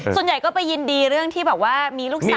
ส่วนใหญ่ก็ไปยินดีเรื่องที่แบบว่ามีลูกสาว